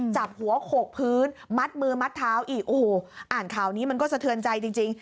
จับหัวโขกพื้นมัดมือมัดเท้าอีกโอ้โหอ่านข่าวนี้มันก็สะเทือนใจจริง